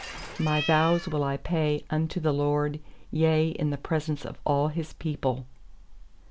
14My vows will I pay unto the LORD, Yea, in the presence of all His people.